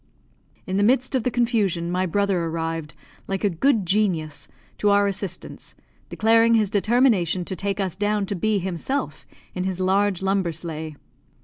In the midst of the confusion, my brother arrived, like a good genius, to our assistance, declaring his determination to take us down to B himself in his large lumber sleigh.